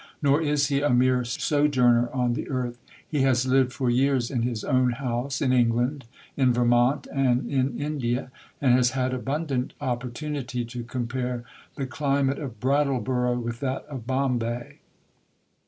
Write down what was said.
Nor is he a mere sojourner on the earth: he has lived for years in his own house, in England, in Vermont, and in India, and has had abundant opportunity to compare the climate of Brattleboro with that of Bombay.